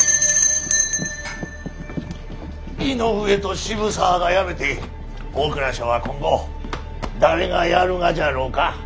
井上と渋沢が辞めて大蔵省は今後誰がやるがじゃろか？